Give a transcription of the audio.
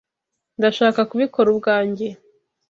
Ndashaka kubikora ubwanjye.